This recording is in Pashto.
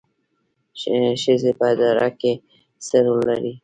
ښځې په اداره کې څه رول لري؟